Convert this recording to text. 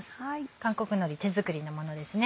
韓国のり手作りのものですね。